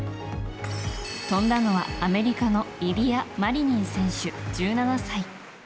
跳んだのはアメリカのイリア・マリニン選手、１７歳。